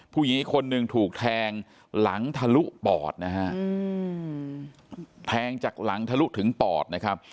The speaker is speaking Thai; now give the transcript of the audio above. ผู้หญิงคนหนึ่งถูกแทงหลังทะลุปอดนะฮะแทงจากหลังทะลุถึงปอดนะครับ